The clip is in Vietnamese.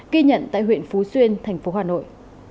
ghi nhận tại huyện phú xuyên thành phố hà nội